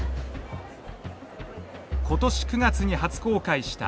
今年９月に初公開したＥＶ。